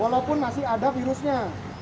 walaupun masih ada virusnya